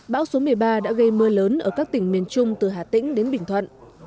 bão số một mươi ba đã gây mưa lớn ở các tỉnh miền trung từ hà tĩnh đến bình thuận